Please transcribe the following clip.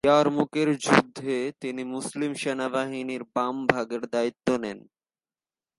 ইয়ারমুকের যুদ্ধে তিনি মুসলিম সেনাবাহিনীর বাম ভাগের নেতৃত্ব দেন।